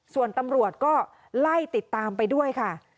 ส่วนตำรวจก็ไล่ติดตามไปด้วยค่ะ